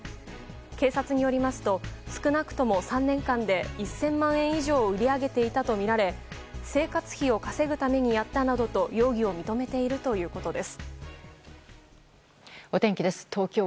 警察によりますと少なくとも３年間で１０００万円以上売り上げていたとみられ生活費を稼ぐためにやったなどと容疑を認めているということです。